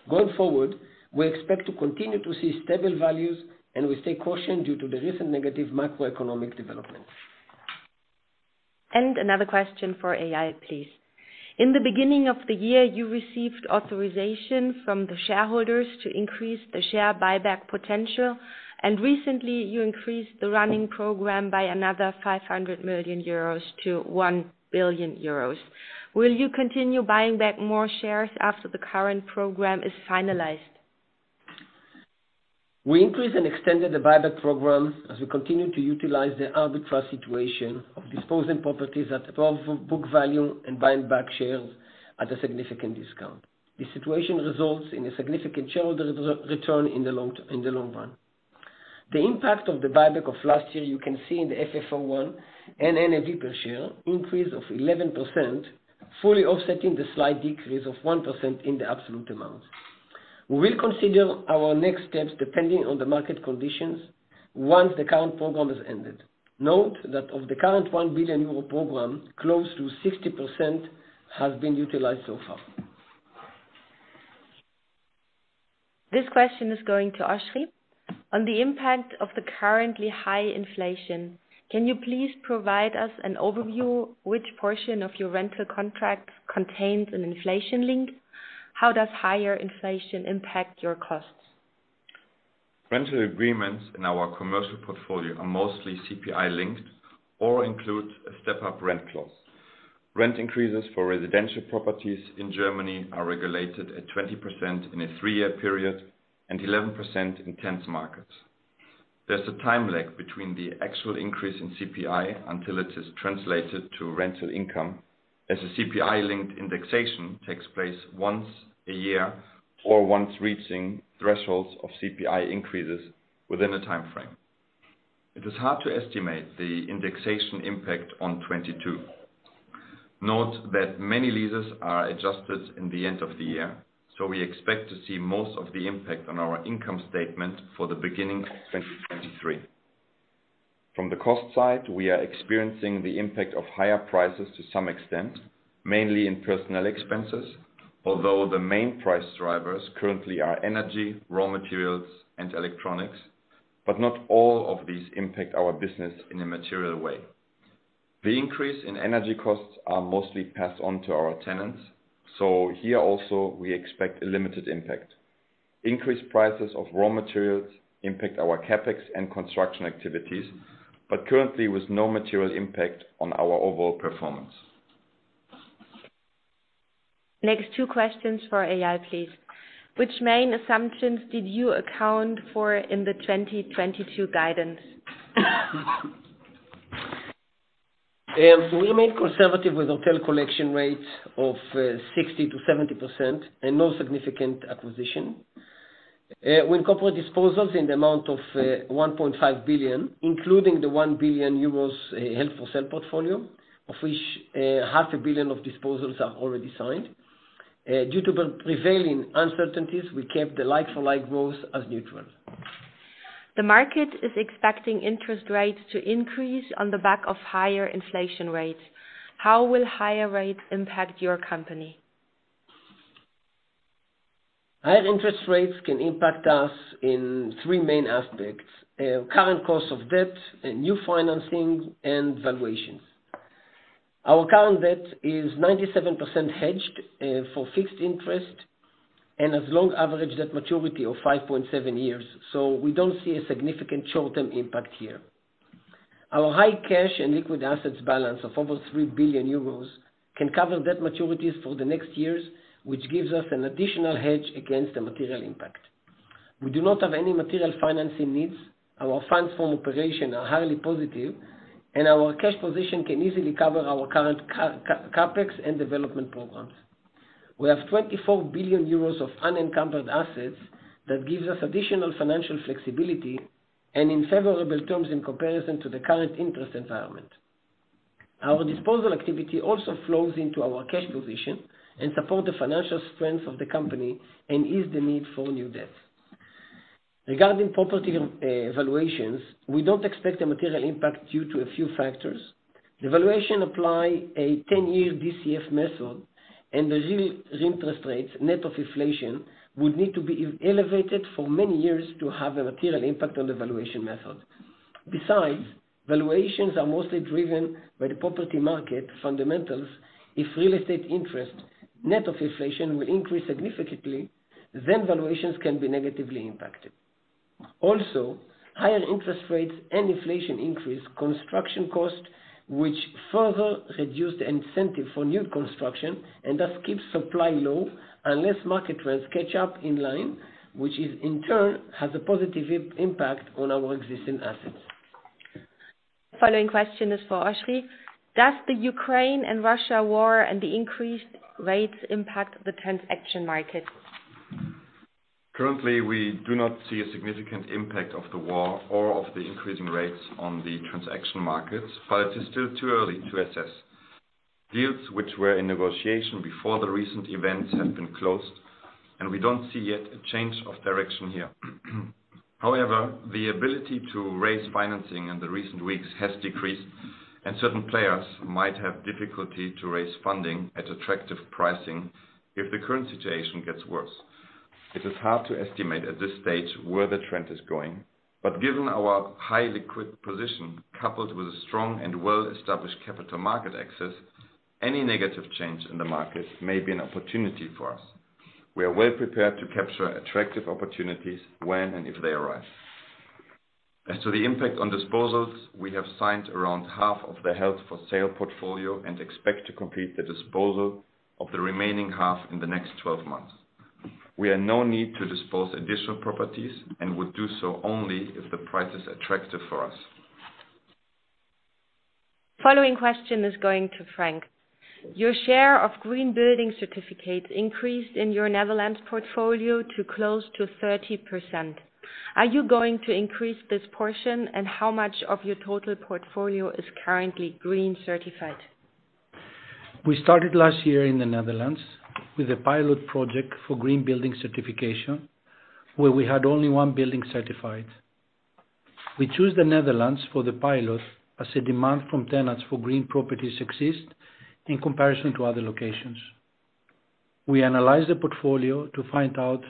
Going forward, we expect to continue to see stable values, and we stay cautious due to the recent negative macroeconomic developments. Another question for Eyal, please. In the beginning of the year, you received authorization from the shareholders to increase the share buyback potential, and recently you increased the running program by another 500 million euros to 1 billion euros. Will you continue buying back more shares after the current program is finalized? We increased and extended the buyback program as we continue to utilize the arbitrage situation of disposing properties at above book value and buying back shares at a significant discount. The situation results in a significant shareholder return in the long run. The impact of the buyback of last year, you can see in the FFO I and NAV per share increase of 11%, fully offsetting the slight decrease of 1% in the absolute amount. We will consider our next steps depending on the market conditions once the current program is ended. Note that of the current 1 billion euro program, close to 60% has been utilized so far. This question is going to Oschrie. On the impact of the currently high inflation, can you please provide us an overview which portion of your rental contract contains an inflation link? How does higher inflation impact your costs? Rental agreements in our commercial portfolio are mostly CPI-linked or include a step-up rent clause. Rent increases for residential properties in Germany are regulated at 20% in a three-year period and 11% in tense markets. There's a time lag between the actual increase in CPI until it is translated to rental income, as the CPI-linked indexation takes place once a year or once reaching thresholds of CPI increases within a timeframe. It is hard to estimate the indexation impact on 2022. Note that many leases are adjusted in the end of the year, so we expect to see most of the impact on our income statement for the beginning of 2023. From the cost side, we are experiencing the impact of higher prices to some extent, mainly in personnel expenses, although the main price drivers currently are energy, raw materials, and electronics, but not all of these impact our business in a material way. The increase in energy costs are mostly passed on to our tenants, so here also we expect a limited impact. Increased prices of raw materials impact our CapEx and construction activities, but currently with no material impact on our overall performance. Next, two questions for Eyal, please. Which main assumptions did you account for in the 2022 guidance? We remain conservative with hotel collection rates of 60% to 70% and no significant acquisition. We incorporate disposals in the amount of 1.5 billion, including the 1 billion euros held-for-sale portfolio, of which EUR half a billion of disposals are already signed. Due to the prevailing uncertainties, we kept the like-for-like growth as neutral. The market is expecting interest rates to increase on the back of higher inflation rates. How will higher rates impact your company? Higher interest rates can impact us in three main aspects: current cost of debt, new financing, and valuations. Our current debt is 97% hedged for fixed interest and has long average debt maturity of 5.7 years, so we don't see a significant short-term impact here. Our high cash and liquid assets balance of over 3 billion euros can cover debt maturities for the next years, which gives us an additional hedge against the material impact. We do not have any material financing needs. Our funds from operations are highly positive, and our cash position can easily cover our current CapEx and development programs. We have 24 billion euros of unencumbered assets that gives us additional financial flexibility and in favorable terms in comparison to the current interest environment. Our disposal activity also flows into our cash position and support the financial strength of the company and ease the need for new debt. Regarding property valuations, we don't expect a material impact due to a few factors. The valuations apply a 10-year DCF method, and the real interest rates, net of inflation, would need to be elevated for many years to have a material impact on the valuation method. Besides, valuations are mostly driven by the property market fundamentals. If real estate interest, net of inflation, will increase significantly, then valuations can be negatively impacted. Also, higher interest rates and inflation increase construction costs, which further reduce the incentive for new construction and thus keep supply low unless market rents catch up in line, which, in turn, has a positive impact on our existing assets. Following question is for Oschrie. Does the Ukraine and Russia war and the increased rates impact the transaction market? Currently, we do not see a significant impact of the war or of the increasing rates on the transaction market, but it is still too early to assess. Deals which were in negotiation before the recent events have been closed, and we don't see yet a change of direction here. However, the ability to raise financing in the recent weeks has decreased, and certain players might have difficulty to raise funding at attractive pricing if the current situation gets worse. It is hard to estimate at this stage where the trend is going. But given our high liquid position, coupled with a strong and well-established capital market access, any negative change in the market may be an opportunity for us. We are well prepared to capture attractive opportunities when and if they arise. As to the impact on disposals, we have signed around half of the held for sale portfolio and expect to complete the disposal of the remaining half in the next 12 months. We have no need to dispose additional properties and would do so only if the price is attractive for us. Following question is going to Frank. Your share of green building certificates increased in your Netherlands portfolio to close to 30%. Are you going to increase this portion, and how much of your total portfolio is currently green certified? We started last year in the Netherlands with a pilot project for green building certification, where we had only one building certified. We choose the Netherlands for the pilot as a demand from tenants for green properties exist in comparison to other locations. We analyze the portfolio to find out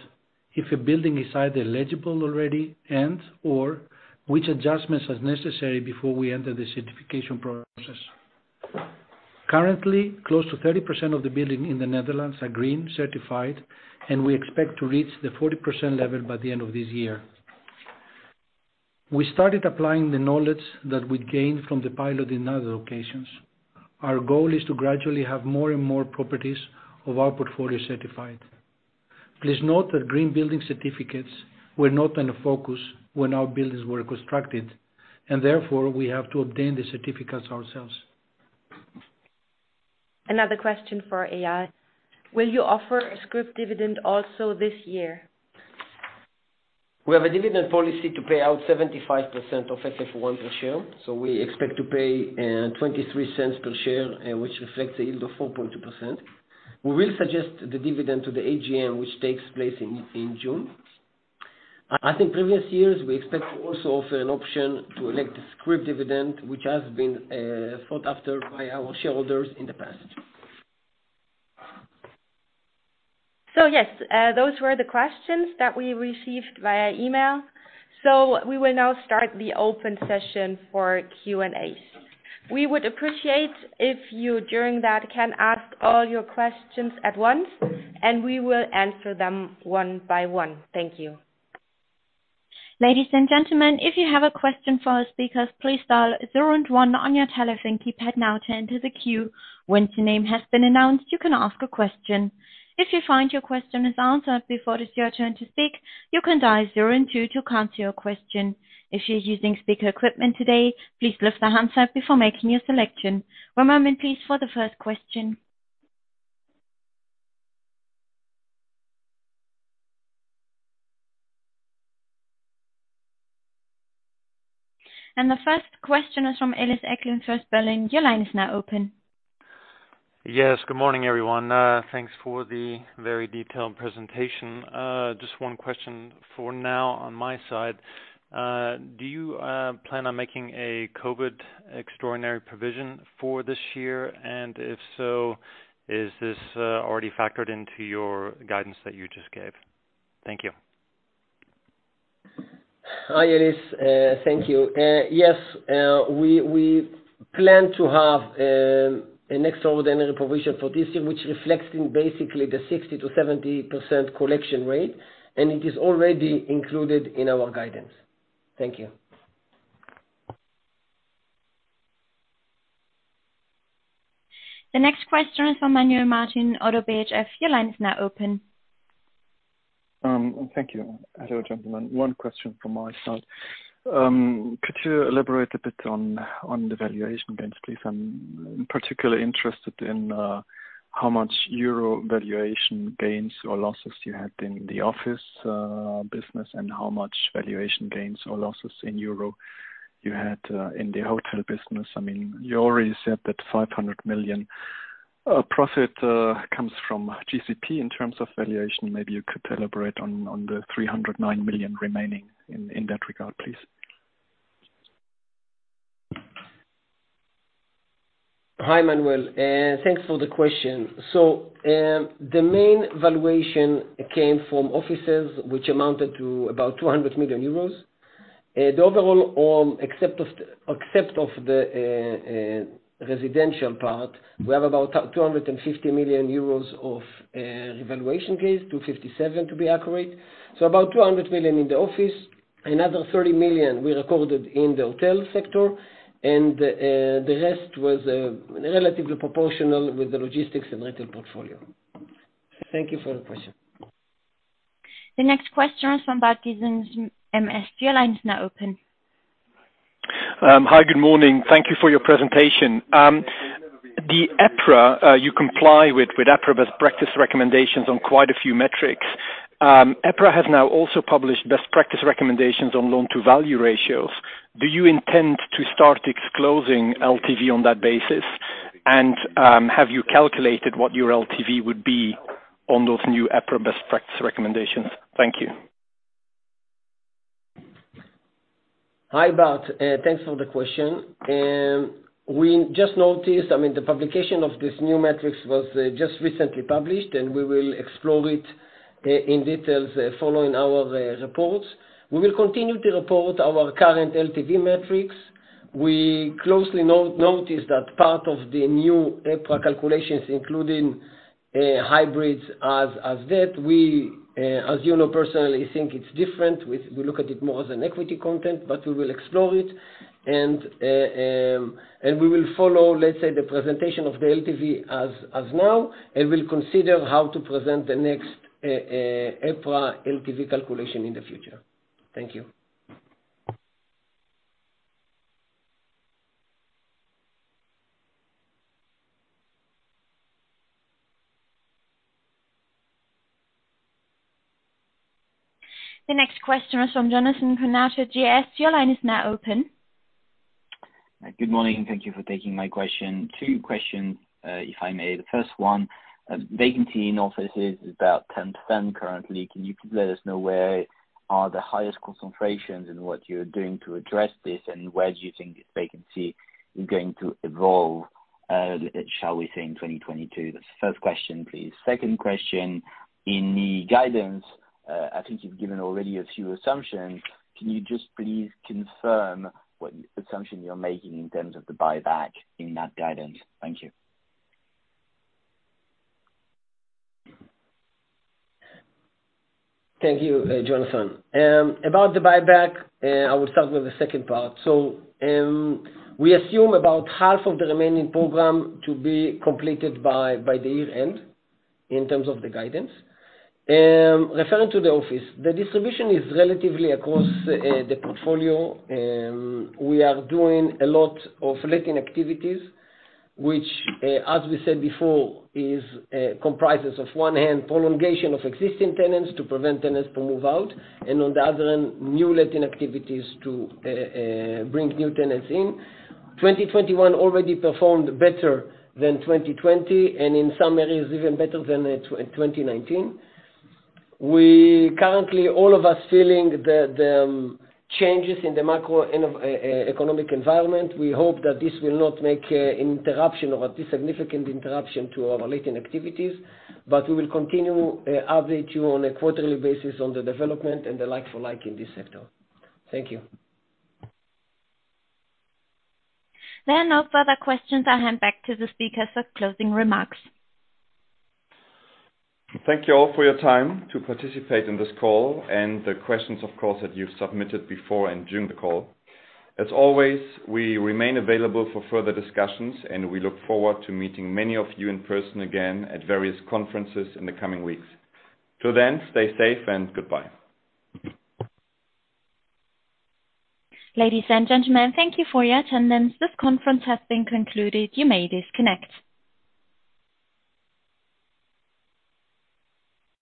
if a building is either eligible already and/or which adjustments are necessary before we enter the certification process. Currently, close to 30% of the building in the Netherlands are green certified, and we expect to reach the 40% level by the end of this year. We started applying the knowledge that we gained from the pilot in other locations. Our goal is to gradually have more and more properties of our portfolio certified. Please note that green building certificates were not in focus when our buildings were constructed, and therefore we have to obtain the certificates ourselves. Another question for Eyal. Will you offer a scrip dividend also this year? We have a dividend policy to pay out 75% of FFO I per share, so we expect to pay 0.23 per share, which reflects a yield of 4.2%. We will suggest the dividend to the AGM, which takes place in June. As in previous years, we expect to also offer an option to elect the scrip dividend, which has been sought after by our shareholders in the past. Yes, those were the questions that we received via email. We will now start the open session for Q&A. We would appreciate if you, during that, can ask all your questions at once, and we will answer them one by one. Thank you. Ladies and gentlemen, if you have a question for our speakers, please dial zero and one on your telephone keypad now to enter the queue. Once your name has been announced, you can ask a question. If you find your question is answered before it is your turn to speak, you can dial zero and two to cancel your question. If you're using speaker equipment today, please lift the handset before making your selection. One moment, please, for the first question. The first question is from Ellis Acklin, First Berlin. Your line is now open. Yes, good morning, everyone. Thanks for the very detailed presentation. Just one question for now on my side. Do you plan on making a COVID extraordinary provision for this year? If so, is this already factored into your guidance that you just gave? Thank you. Hi, Ellis. Thank you. Yes, we plan to have an extraordinary provision for this year, which reflects in basically the 60%-70% collection rate, and it is already included in our guidance. Thank you. The next question is from Manuel Martin, ODDO BHF. Your line is now open. Thank you. Hello, gentlemen. One question from my side. Could you elaborate a bit on the valuation gains, please? I'm particularly interested in how much euro valuation gains or losses you had in the office business, and how much valuation gains or losses in euro you had in the hotel business. I mean, you already said that 500 million profit comes from GCP in terms of valuation. Maybe you could elaborate on the 309 million remaining in that regard, please. Hi, Manuel, thanks for the question. The main valuation came from offices which amounted to about 200 million euros. The overall, except for the residential part, we have about 250 million euros of revaluation gains, 257 to be accurate. About 200 million in the office. Another 30 million we recorded in the hotel sector. The rest was relatively proportional with the logistics and retail portfolio. Thank you for the question. The next question is from Bart Gysens, MS. Your line is now open. Hi. Good morning. Thank you for your presentation. The EPRA, you comply with EPRA best practice recommendations on quite a few metrics. EPRA has now also published best practice recommendations on loan to value ratios. Do you intend to start disclosing LTV on that basis? Have you calculated what your LTV would be on those new EPRA best practice recommendations? Thank you. Hi, Bart. Thanks for the question. We just noticed, I mean, the publication of this new metrics was just recently published, and we will explore it in detail following our reports. We will continue to report our current LTV metrics. We closely notice that part of the new EPRA calculations, including hybrids as that. As you know, we personally think it's different. We look at it more as an equity component, but we will explore it. We will follow, let's say, the presentation of the LTV as is now, and we'll consider how to present the next EPRA LTV calculation in the future. Thank you. The next question is from Jonathan Kownator at GS. Your line is now open. Good morning, and thank you for taking my question. Two questions, if I may. The first one, vacancy in offices is about 10% currently. Can you please let us know where are the highest concentrations and what you're doing to address this, and where do you think this vacancy is going to evolve, shall we say, in 2022? That's the first question, please. Second question, in the guidance, I think you've given already a few assumptions. Can you just please confirm what assumption you're making in terms of the buyback in that guidance? Thank you. Thank you, Jonathan. About the buyback, I will start with the second part. We assume about half of the remaining program to be completed by the year-end in terms of the guidance. Referring to the office, the distribution is relatively across the portfolio. We are doing a lot of letting activities, which, as we said before, comprises on one hand prolongation of existing tenants to prevent tenants to move out, and on the other hand, new letting activities to bring new tenants in. 2021 already performed better than 2020, and in some areas even better than 2019. We currently all of us feeling the changes in the macroeconomic environment. We hope that this will not make interruption or a significant interruption to our letting activities. We will continue to update you on a quarterly basis on the development and the like for like in this sector. Thank you. There are no further questions. I'll hand back to the speakers for closing remarks. Thank you all for your time to participate in this call and the questions, of course, that you've submitted before and during the call. As always, we remain available for further discussions, and we look forward to meeting many of you in person again at various conferences in the coming weeks. Till then, stay safe and goodbye. Ladies and gentlemen, thank you for your attendance. This conference has been concluded. You may disconnect.